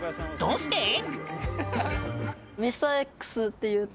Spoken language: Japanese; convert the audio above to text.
どうして？